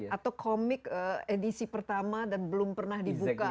atau komik edisi pertama dan belum pernah dibuka